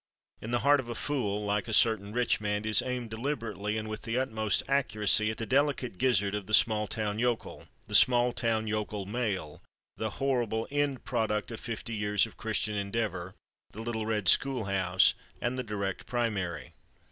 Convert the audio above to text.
"In the Heart of a Fool," like "A Certain Rich Man" is aimed deliberately and with the utmost accuracy at the delicate gizzard of the small town yokel, the small town yokel male, the horrible end product of fifty years of Christian Endeavor, the little red schoolhouse and the direct primary.